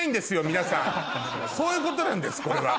皆さんそういうことなんですこれは。